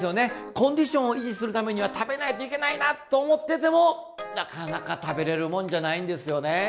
コンディションを維持するためには食べないといけないなと思っててもなかなか食べれるもんじゃないんですよね。